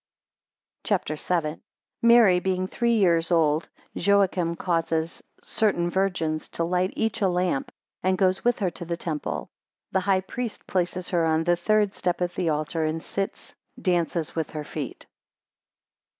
CHAPTER VII. 3 Mary being three years old, Joachim causes certain virgins to light each a lamp, and goes with her to the temple. 5 The high priest places her on the third step of the altar, and sits dances with her feet.